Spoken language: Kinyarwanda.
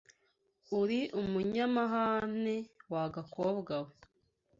Uri umunyamahane wa gakobwa we